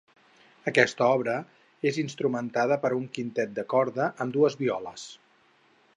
Aquesta obra és instrumentada per a un quintet de corda amb dues violes.